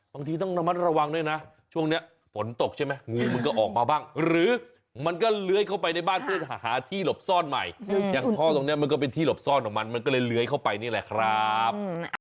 อย่างท่อตรงนี้มันก็เป็นที่หลบซ่อนของมันมันก็เลยเลื้อยเข้าไปนี่แหละครับ